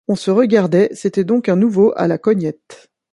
On se regardait : c’était donc un nouveau à la Cognette